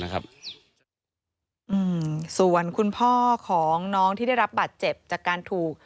ส่วนคุณพ่อของน้องที่ได้รับบาดเจ็บจากการถูก